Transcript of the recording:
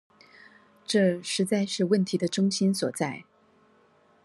這實在是問題的中心所在